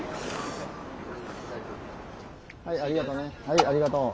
はいありがとね。